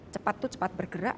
cepat itu cepat bergerak